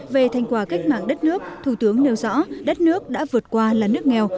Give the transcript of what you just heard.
về thành quả cách mạng đất nước thủ tướng nêu rõ đất nước đã vượt qua là nước nghèo